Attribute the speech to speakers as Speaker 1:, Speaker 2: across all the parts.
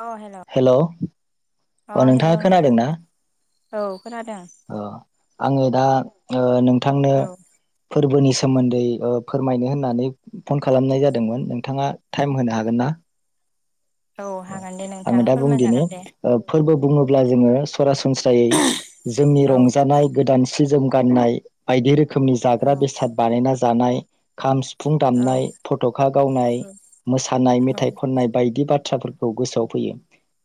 Speaker 1: औ हेल'
Speaker 2: अ
Speaker 1: हेल'
Speaker 2: नोंथाङा
Speaker 1: नोंथां
Speaker 2: खोनादोंना
Speaker 1: औ खोनादों
Speaker 2: अ आङो दा नों थांनो
Speaker 1: औ
Speaker 2: फोरबोनि सायाव सोमोन्दै फोरमायनो होननानै फन खालामनाय जादोंमोन नोंथाङा टाइम होनो हागोन ना
Speaker 1: औ हागोन दे नोंथां
Speaker 2: आङो दा
Speaker 1: फोरमाय
Speaker 2: बुंदिनि
Speaker 1: जागोन दे
Speaker 2: ओ फोरबो बुङोब्ला जोङो सरासनस्रायै जोंनि
Speaker 1: औ
Speaker 2: रंजानाय गोदान सि जोम गाननाय बायदि रोखोम रोखोमनि
Speaker 1: औ
Speaker 2: जाग्रा बेसाद बानायना जा जानाय खाम सिुफुं
Speaker 1: औ
Speaker 2: दामनाय फट'खा गावनाय मोसानाय
Speaker 1: औ
Speaker 2: मेथाइ खननाय बायदि बाथ्रा बाथ्रा फोरखौ गोसोआव फैयो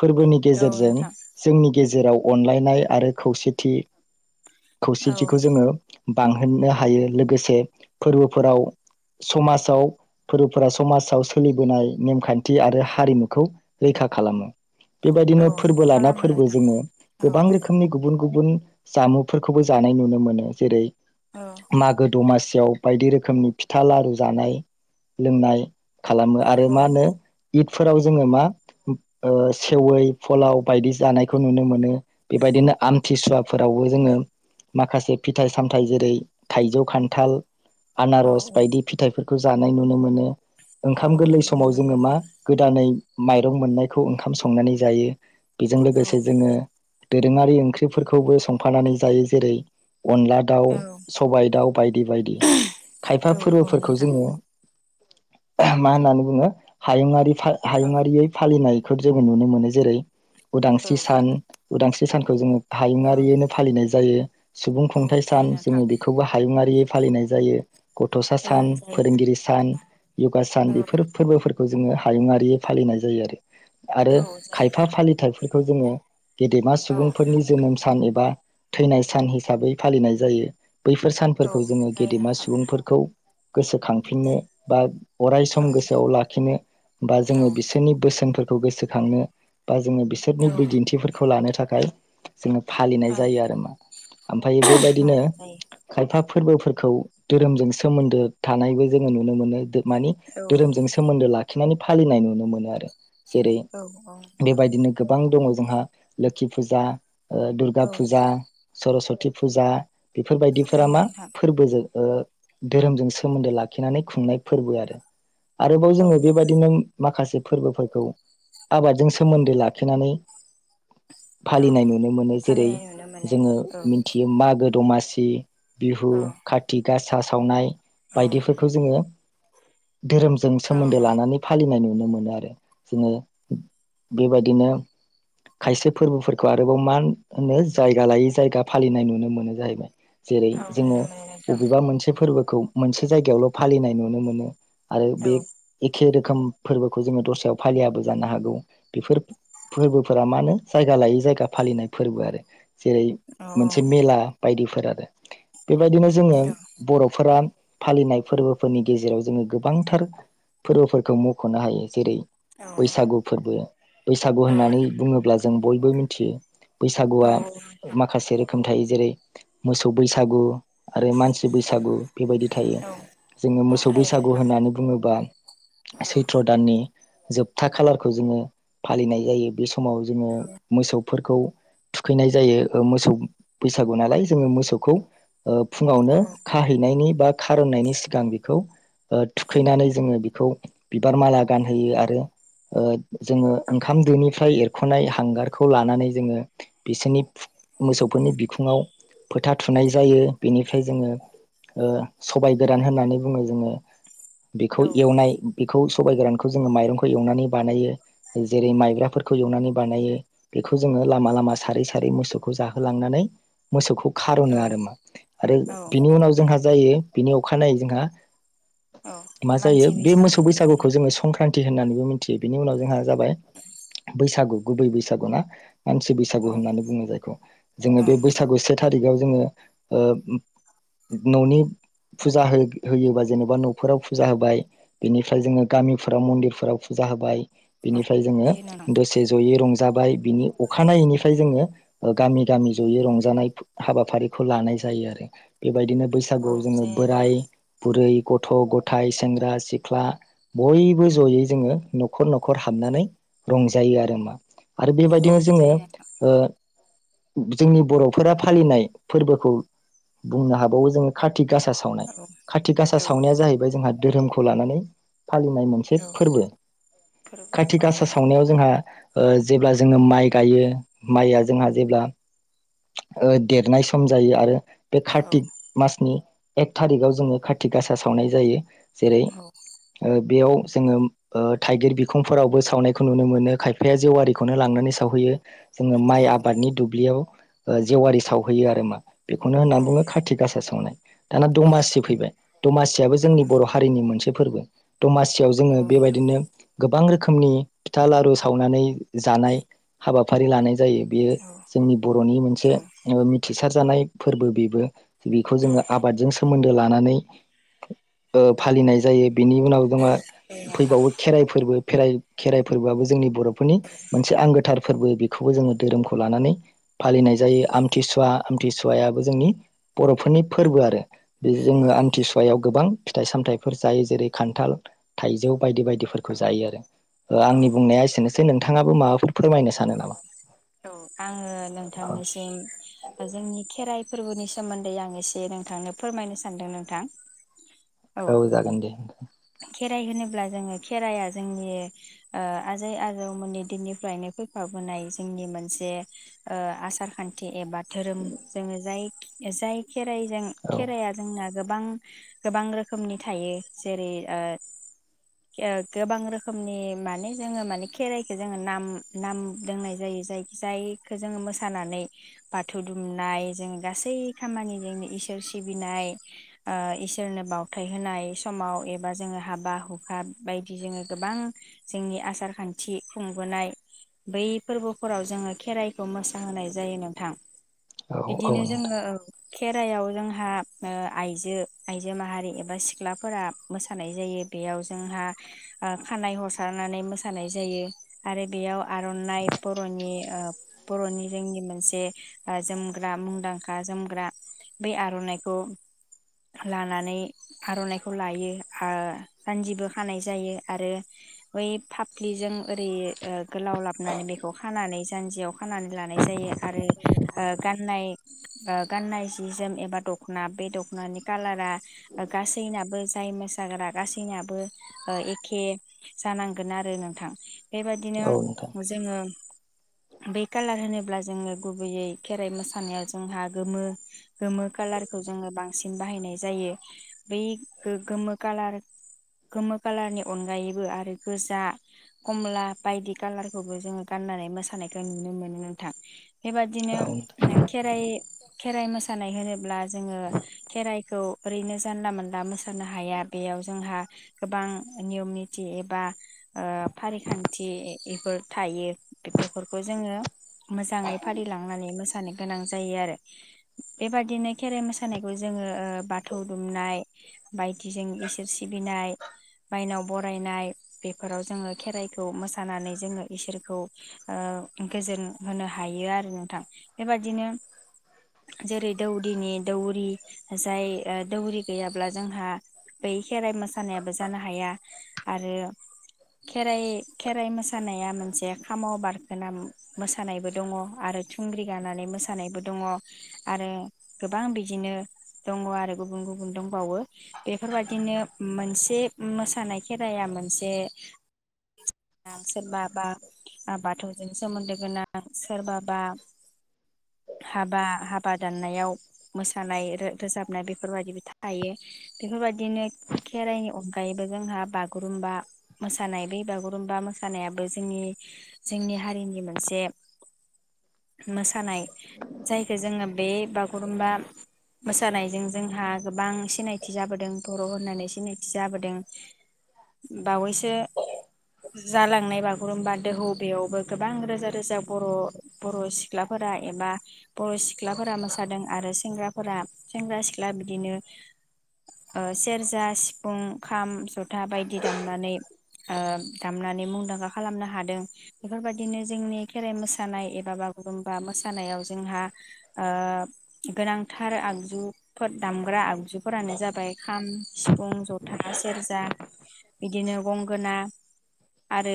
Speaker 2: फोरबोनि
Speaker 1: औ
Speaker 2: गेजेरजों
Speaker 1: नोंथां
Speaker 2: जोंनि गेजेराव अनलायनाय आरो खौसेथि
Speaker 1: औ
Speaker 2: खौसेथिखौ जोङो बांहोनो हायो लोगोसे फोरबोफोराव समाजाव फोरबोफोरा समाजाव सोलिबोनाय नेमखान्थि आरो हारिमुखौ रैखा खालामो।
Speaker 1: औ
Speaker 2: बेबायदिनो फोरबो लाना
Speaker 1: खालामो
Speaker 2: फोरबो
Speaker 1: नोंथां
Speaker 2: जोङो
Speaker 1: औ
Speaker 2: गोबां रोखोमनि गुबुन गुबुन गुबुन जामुंफोरखौबो जानाय नुनो मोनो जेरै
Speaker 1: औ
Speaker 2: मागो दमासि याव बायदि रोखोमनि फिथा लारु जानाय लोंनाय खालामो आरो
Speaker 1: औ
Speaker 2: मा होनो इद फोराव जोङो मा ओ सेवै फलाव बायदि जानायखौ नुनो मोनो बेबायदिनो आमथिसुवाफोरावबो जोङो माखासे फिथाइ सामथाइ जेरै थाइजौ, खान्थाल
Speaker 1: औ
Speaker 2: आनारस बायदि फिथाइफोर खौ जानाय नुनो मोनो ओंखाम गोरलै
Speaker 1: नुनो
Speaker 2: समाव
Speaker 1: मोनो
Speaker 2: जोंङो मा
Speaker 1: नोंथां
Speaker 2: गोदानै माइरं मोननायखौ ओंखाम स संनानै जायो बेजों
Speaker 1: औ
Speaker 2: लोगोसे जोंङो दोंरोंङारि ओंख्रिफोरखौबो संफानानै जायो जेरै अनला दाउ
Speaker 1: औ
Speaker 2: सबायाइ दाउ बायदि बायदि खायफा
Speaker 1: औ औ
Speaker 2: फोरबोफोरखौ
Speaker 1: नोंथां
Speaker 2: जोंङो मा होननानै बुंङो हायुङरारि
Speaker 1: औ
Speaker 2: हायुङारियै फालिनाय जोंङो नुनो मोनो जेरै
Speaker 1: औ
Speaker 2: उदांस्रि सान उदांस्रि बि सानखौ जोंङो
Speaker 1: औ
Speaker 2: हायुङारियैनो फालिनाय जायो सुबुं
Speaker 1: औ
Speaker 2: खुंथाइ
Speaker 1: जायो
Speaker 2: सान
Speaker 1: नोंथां
Speaker 2: जोंङो बेखौबो हायुङारियै फालिनाय जायो गथसा
Speaker 1: औ
Speaker 2: सान
Speaker 1: जायो
Speaker 2: फोरोंगिरि सान यवगा सान
Speaker 1: औ
Speaker 2: बेफोर फोरबोफोरखौ बे खौ जोंङो हायुङारि फालिनाय जायो आरो आरो
Speaker 1: औ जायो
Speaker 2: खायफा फालिथायफोरखौ जोंङो गेदेमा
Speaker 1: औ
Speaker 2: सुबुंफोरनि जोनोम सान एबा बा थैनाय सान हिसाबै फालिनाय जायो बैफोर
Speaker 1: औ
Speaker 2: सानफोरखौ जोंङो
Speaker 1: जायो
Speaker 2: गेदेमा
Speaker 1: नोंथां
Speaker 2: सुबुंफोरखौ गोसोखांफिननो बा अराय सम
Speaker 1: औ
Speaker 2: गोसोआव लाखिनो बा
Speaker 1: औ
Speaker 2: जोंङो बिसोरनि बोसोनफोरखौ गोसोखांनो बा जोंङो
Speaker 1: औ
Speaker 2: बिसोरनि बिदिन्थिफोरखौ लानो थाखाय। जोंङो फालिनाय
Speaker 1: औ
Speaker 2: जायो आरो मा ओमफायो
Speaker 1: जायो
Speaker 2: बेबायदिनो खायफा फोरबोफोरखौ धोरोमजों सोमोन्दो थानायबो जोंङो नुनो मोनो मानि
Speaker 1: औ
Speaker 2: धोरोमजों सोमोन्दो लाखिनानै फालिनाय नुनो मोनो आरो जेरै
Speaker 1: औ नोंथां
Speaker 2: बेबायदिनो गोबां दङ जोंहा लोखि फुजा दुर्गा
Speaker 1: औ
Speaker 2: फुजा सरस्त काति फुजा
Speaker 1: औ
Speaker 2: बेफोरबायदिफोरा मा
Speaker 1: नोंथां
Speaker 2: फोरबोजों धोरोमजों सोमोन्दो लाखिनानै खुंनाय फोरबो आरो आरोबाव
Speaker 1: औ
Speaker 2: जोऔङो
Speaker 1: औ
Speaker 2: बेबायदिनो माखासे फोरबोफोरखौ आबादजों सोमोन्दो लाखिनानै
Speaker 1: औ
Speaker 2: फालिनाय नुनो मोनो जेरै
Speaker 1: फालिनाय नुनो मोनो
Speaker 2: जोङो
Speaker 1: औ
Speaker 2: मिथियो मागो दमासि बिहु
Speaker 1: औ
Speaker 2: खाथि गास सा सावनाय
Speaker 1: औ
Speaker 2: बायदिफोरखौ जोङो धोरोमजों
Speaker 1: औ
Speaker 2: सोमोन्दो लानानै फालिनाय नुयो नुनो मोनो आरो जोङो बेबायदिनो खायसे फोरबोफोरखौ आरोबाव मा होनो जायगा लायै जायगा फालिनाय नुनो मोनो जाहैबाय जेरै
Speaker 1: औ
Speaker 2: जोङो
Speaker 1: नुनो मोनो नोंथां
Speaker 2: बबेबा मोनसे फोरबो खौ मोनसे जायगायावल फालिनाय नुनो मोनो आरो
Speaker 1: औ
Speaker 2: बे एखे रोखोम रोखोम फोरबोखौ जोङो दस्रायाव फालियाबो जानो हागौ बेफोर फोरबोफोरा मा होनो जायगा लायै जायगा फालिनाय फोरबो आरो जेरै
Speaker 1: औ
Speaker 2: मोनसे मेला बायदि फोर आरो बेबायदिनो जोङो बर'फोरा फालिनाय फोरबोफोरनि गेजेराव जोङो गोबांथार फोरबोफोरखौ मख'नो हायो जेरै
Speaker 1: औ नोंथां औ
Speaker 2: बैसागु फोरबो बैसागु होननानै बुङोब्ला जों जों बयबो मिथियो बैसागुआ
Speaker 1: थायो नोंथां
Speaker 2: माखासे रोखोम थायो जेरै मोसौ बैसागु आरो मानसि बैसागु बेबायदि थायो जोङो मोसौ
Speaker 1: औ
Speaker 2: बैसागु
Speaker 1: औ
Speaker 2: होननानै बुङोबा सैथ्र दाननि जोबथा खालारखौ जोङो फालिनाय जायो बे सम समाव जोङो मोसौ फोरखौ थुखैनाय जायो ओ मोसौ बैसागु नालाय जोङो मोसौखौ ओ फुङावनो खाहैनायनि बा खारननायनि सिगां बेखौ थुखैनानै जोङो बेखौ बिबार माला गानहोयो आरो आरो ओ जोङो ओंखाम दोनिफ्राय एरख'नाय हांगारखौ लानानै जोङो बिसोरनि मोसौफोरनि बिखुङाव फोथा थुनाय जायो बेनिफ्राय जोङो ओ सबाय गोरान होननानै बुङो जोङो बेखौ
Speaker 1: औ
Speaker 2: एवनाय खौ सबाय गोरानखौ जोङो माइरं एवनानै बानायो जेरै माइब्राफोरखौ एवनानै बानायो बेखौ जोङो लामा लामा सारै सारै मोसौखौ जाहोलांनानै मोसौखौ खार'नो आरो मा आरो बिनि उनाव जोंहा जायो बिनि अखानायै जोंहा मा जायो
Speaker 1: मानसि
Speaker 2: बे
Speaker 1: बैसागु
Speaker 2: मोसौ बैसागुखौ जोङो संक्रान थि होननानै मिथियो बिनि उनाव जोंहा जाबाय बैसागु गुबै बैसागु ना मानसि बैसागु
Speaker 1: औ
Speaker 2: होननानै बुङो जायखौ जोङो
Speaker 1: औ
Speaker 2: बे बैसागु सेथ थारिखाव जोङो ओ न'नि फुजा होयो होयोबा जेनेबा न'फोराव फुजा होबाय बेनिफ्राय जोङो गामिफोराव मन्दिरफोराव फुजा होबाय।
Speaker 1: औ
Speaker 2: बेनिफ्राय जोङो
Speaker 1: जायो नोंथां
Speaker 2: दसे जयै रं जाबाय बिनि
Speaker 1: औ
Speaker 2: अखानायैनिफ्राय जोङो ओ गामि गामि जयै रंजानाय हाबाफारिखौ लानाय जायो आरो बे बेबायदिनो
Speaker 1: औ
Speaker 2: बैसागुआव जोङो
Speaker 1: जायो नोंथां
Speaker 2: बोराय बुरै गथ' गथाय सेंग्रा सिख्ला बयबो जयै जोङो न'खर न'खर हाबनानै रंजायो आरो मा। आरो
Speaker 1: औ
Speaker 2: बेबायदिनो जोङो
Speaker 1: जायो
Speaker 2: ओ जोंनि बर'फोरा फालिनाय फोरबोखौ बुंनो हाबावो जोङो खा थि गासा सावनाय
Speaker 1: नोंथां
Speaker 2: खाथि गासा
Speaker 1: औ
Speaker 2: सावनाया जाहैबाय जोंहा धोरोमखौ लानानै फालिनाय मोनसे
Speaker 1: औ
Speaker 2: फोरबो।
Speaker 1: फोरबो
Speaker 2: खाथि
Speaker 1: औ
Speaker 2: गासा सावनायाव जों हा ओ जेब्ला जोङो माइ गायो माइआ जोंहा जेब्ला ओ देरनाय सम जायो आरो बे कार्तिक मासनि एक थारिकाव जोङो खार्थि गासा सावनाय जायो। जेरै
Speaker 1: औ
Speaker 2: ओ बेयाव जोङो ओ थाइगिर बिखंफोरावबो सावनायखौ नुनो मोनो खायफाया जेवारिखौनो लांनानै सावहैयो। जोङो माइ आबादनि दुब्लियाव ओ जेवारि सावहैयो आरो मा बेखौनो होनना
Speaker 1: औ
Speaker 2: बुङो खाथि गासा सावनाय। दाना
Speaker 1: नोंथां
Speaker 2: दमासि फैबाय दमासियाबो जोंनि बर' हारिनि मोनसे फोरबो। दमासियाव जोङो बेबायदिनो गोबां रो खोमनि फिथा लारु सावनानै जानाय हाबा फारि लानाय जायो बेयो जोंनि बर'नि मोनसे
Speaker 1: औ
Speaker 2: ओ मिथिसार जानाय फोरबो बेबो। बिखौ
Speaker 1: औ
Speaker 2: जोङो आबादजों सोमोन्दो लानानै ओ फालिनाय जायो। बिनि उनाव
Speaker 1: औ दे
Speaker 2: [unintelligible]
Speaker 1: नोंथां
Speaker 2: फैबावो खेराइ फोरबो। ओ फेराइ खेराइ फोरबोआबो जोंनि बर' फोरनि मोनसे आंगोथार फोरबो बिखौबो जोङो धोरोमखौ लानानै फालिनाय जायो आमथिसुवा थिसुवायाबो जोंनि बर'फोरनि फोरबो आरो। जे
Speaker 1: औ
Speaker 2: जोङो आमथिसुवायाव गोबां फिथाइ सामथाइफोर जायो जेरै खान्थाल थाइजौ बायदि बायदिफोरखौ जायो आरो। ओ आंनि बुंनाया एसेनोसै नों थाङाबो माबाफोर फोरमायनो सानो
Speaker 1: औ
Speaker 2: नामा
Speaker 1: औ आङो
Speaker 2: औ
Speaker 1: नोंथांनिसिम जोंनि खेराइ फोरबोनि सोमोन्दै आं एसे नोंथांनो फोरमायनो सानदों नोंथां।
Speaker 2: औ जागोन दे।
Speaker 1: खेराइ होनोब्ला जोङो खेराइया जोंनि ओ आजै आजौमोननि दिननिफ्रायनो फैफाबोनाय जोंनि मोनसे ओ आसार खान्थि एबा धोरोम जोङो जाय जाय खेराइजों
Speaker 2: औ
Speaker 1: खेराइया जोंना गोबां गोबां रोखोमनि थायो जेरै ओ ओ गोबां रोखोमनि माने जोङो माने खेराइखौ जोङो नाम नाम दोंनाय जायो जाय जायखो जोङो मोसानानै बाथौ दुमनाय जों गासै खामानि जोंनि इसोर सिबिनाय ओ इसोरनो बाउथाय होनाय समाव बा जोङो हाबा हुखा बायदि जोङो गोबां जोंनि आसार खान्थि खुंबोनाय बै फोरबोफोराव जोङो खेराइखौ मोसाहोनाय जायो नोंथां।
Speaker 2: औ औ
Speaker 1: बिदिनो
Speaker 2: नोंथां
Speaker 1: जोङो औ। खेराइयाव जोंहा ओ आइजो आइजो माहारि एबा सिख्लाफोरा मोसानाय जायो बेयाव जोंहा ओ खानाइ हसारनानै मोसानाय जायो आरो बेयाव आर'नाइ बर'नि ओ बर'नि जोंनि मोनसे ओ जोमग्रा मुंदांखा जोमग्रा बै आर'नाइखौ लानानै आर'नाइखौ लायो। हो जान्जिबो खानाय जायो आरो बै फाफ्लिजों ओरै ओ गोलाव लाबोनानै बेखौ खानानै जान्जियाव खानानै लानाय जायो आरो ओ गाननाय ओ गाननाय जि जोम एबा दखना बे दखनानि कालारा गासैनाबो जाय मोसा साग्रा गासैनियाबो ओ एखे जानांगोन आरो नोंथां। बेबादिनो
Speaker 2: औ नोंथां
Speaker 1: जोङो बै कालार होनोब्ला जोङो गुबैयै खेराइ मोसानायाव जोंहा गोमो गोमो कालारखौ जोङो बांसिन बाहायनाय जायो बै गो-गोमो कालार गोमो कालारनि अनगायैबो आरो गोजा खमला बायदि कालारखौबो जोङो गाननानै मोसानायखौ नुनो मोनो नोंथां। बेबादिनो
Speaker 2: औ नोंथां
Speaker 1: खेराइ खेराइ मोसानाय होनोब्ला जोङो खेराइ खौ ओरैनो जानला मोनला मोसानो हाया। बेयाव जोंहा गोबां नियम निथि एबा ओ फारिखान्थि इफोर थायो बेफोरखौ जोङो मोजाङै फालिलांनानै मोसा मोसानो गोनां जायो आरो बेबादिनो खेराइ मोसानायखौ जोङो ओ बाथौ दुमनाय बायदिजों मायनाव बरायनाय बेफोराव जोङो खेराइखौ मोसानानै जोङो इसोरखौ ओ गोजोन होनो हायो आरो नोंथां बेबादिनो जेरै दौदिनि दौरि जाय ओ दौरि गैयाब्ला जोंहा बै खेराइ मोसानायाबो जानो हाया आरो खेराइ खेराइ मोसानाया मोनसे खाम' बारखोना मोसानायबो दङ आरो थुंग्रि गानानै मोसानायबो दङ आरो गोबां बिदिनो दङ आरो गुबुन गुबुन दंबावो बे बेफोरबायाददिनो मोनसे मोसानाय खेराया मोनसे सोरबा बा बा बाथौ सोमोन्दो गोनां सोरबाबा हाबा हाबा दाननायाव मोसानाय रोजाबनाय बेफोरबायदिबो थायो। बेफोरबायदिनो खेराइनि अनगायैबो जोंहा बागुरुम्बा मोसानाय बे बागुरुम्बा मोसानायाबो जोंनि जोंनि हारिनि मोनसे मोसानाय जायखौ जोङो बे बागुरुमबा मोसानायजों जोंहा गोबां सिनाय थि जाबोदों बर' होननानै सिनायथि जाबोदों बावैसो जालांनाय बागुरुम्बा दोहौ बेयावबो गोबां रोजा रोजा बर' बर' सिख्लाफोरा एबा बर' सिख्लाफोरा मोसादों आरो सेंग्राफोरा सेंग्रा सिख्ला बिदिनो ओ सेरजा सिफुं खाम जथा बायदि दामनानै ओ दामनानै मुंदांखा खालामनो हादों। बेफोरबायदिनो जोंनि खेराइ मोसानाय एबा बागुरुम्बा मो मोसानायाव जोंहा ओब गोनांथार आगजुफोर दामग्रा आगजु फोरानो जाबाय खाम सिफुं जथा सेरजा बिदिनो गंगोना आरो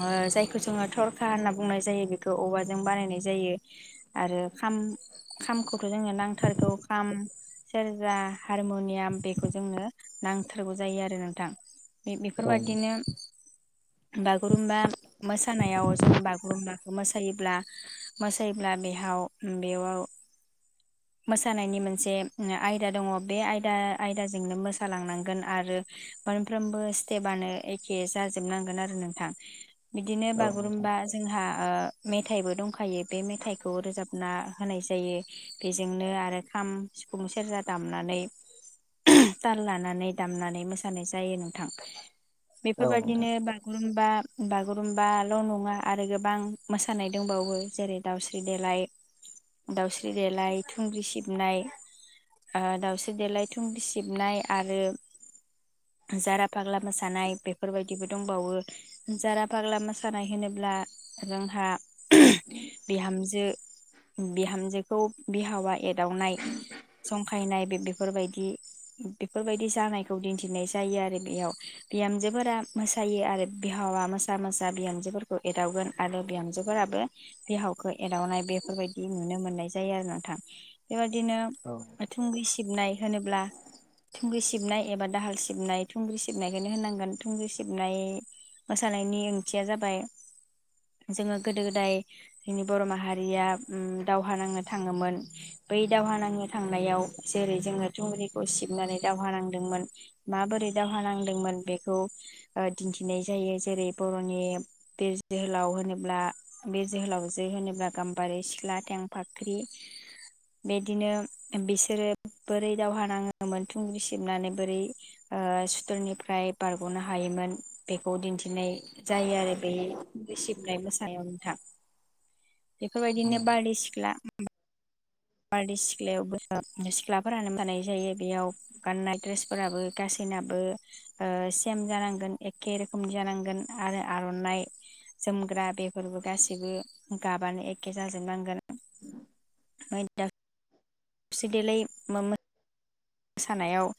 Speaker 1: ओ जायखौ जोङो थरखा होनना बुंनाय जायो बेखौ औवा जों बानायनाय जायो आरो खाम खामखौथ' जोंनो नांथारगौ खाम सेरजा हारमुनियाम बेखौ जोंनो नांथारगौ जायो आरो नोंथां। बे-बेफोर
Speaker 2: औ नोंथां
Speaker 1: बादिनोम बागुरुमबा मोसानायाव जोङो बागुरुमबाखौ मोसायोब्ला मोसायोब्ला बेहाव बेयाव जानायनि मोनसे आयदा दङ बे आयदा आयदाजोंनो मोसालांनांगोन आरो मोनफ्रोमबो स्टेपनो एखे जाजोबनांगोन आरो नोंथां बिदिनो
Speaker 2: औ नोंथां
Speaker 1: बागुरुम्बा जोंहा ओ मेथाइबो दंखायो बे मेथाइखौ रोजाबना होनाय जायो बेजोंनो आरो खाम सिफुं सेरजा दामनानै ताल लानानै दामनानै मोसानाय जायो नोंथां। बेफोर
Speaker 2: औ नोंथां
Speaker 1: बादिनो बागुरुम्बा बागुरुम्बाल' नङा आरो गोबां मोसानाय दंबावो जेरै दाउस्रि देलाय दाउस्रि देलाय थुंग्रि सिबनाय ओ दाउस्रि देलाय थुंग्रि सिबनाय आरो जारा फाग्ला मोसानाय बेफोरबायदिबो दंबावो जारा फाग्ला मोसानाय होनोब्ला जोंहा बिहामजो बिहामजोखौ बिहावा एदावनाय जंखायनाय बे-बेफोरबायदि बेफोरबायदि जानायखौ दिन्थिनाय जायो आरो बेयाव बिहामजोफोरा मोसायो आरो बिहावा मोसा मोसा बिहामजोफोरखौ एदावगोन आरो बिहामजोफोराबो बिहावखौ एदावनाय बेफोरबायदि नुनो मोननाय जायो आरो नोंथां बेबायदिनो
Speaker 2: औ
Speaker 1: थुंगि सिबनाय होनोब्ला थुंगि सि सिबनाय एबा दाहाल सिबनाय थुंग्रि सिबनायखौनो होनांगोन थुंग्रि सिबनाय मोसानायनि ओंथिया जाबाय जोङो गोदो गोदाय जोंनि बर' माहारिया उम दावहा नांनो थाङोमोन बै दावहा नांनो थांनायाव जेरै जोङो थुंग्रिखौ सिबनानै दावहा नांदोंमोन माबोरै दावहा नांदोंमोन बेखौ ओ दिन्थिनाय जायो जेरै बर'नि बे जोहोलाव होनोब्ला बे जोहोलावजो होनोब्ला गाम्बारि सिख्ला थें फाख्रि बेदिनो बिसोरो बोरै दावहा नाङोमोन थुंग्रि सिबनानै बोरै ओ सुथुरनिफ्राय बारग'नो हायोमोन बेखौ दिन्थिनाय जायो आरो बे थुंग्रि सिबनाय मोसायाव नोंथां बेफोरबायदिनो
Speaker 2: उम
Speaker 1: बारदैसिख्ला बारदैसिख्लायावबो दा सिख्लाफोरानो बानाय जायो बेयाव गाननाय दड्रेसफोराबो गासैनाबो ओ सेम जानांगोन एखे रोखोमनि जानांगोन आरो आर'नाइ जोमग्रा बेफोरबो गासैबो गाबानो एके जाजोबनांगोन। [unintelligible] दाक [unintelligible] मोसानायाव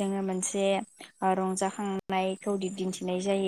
Speaker 1: जोङो मोनसे ओ रंजाखांनायखौ दि-दिन्थिनाय जायो।